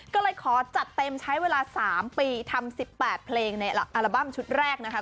ก็เลยขอจัดเต็มใช้เวลา๓ปีทำ๑๘เพลงในอัลบั้มชุดแรกนะคะ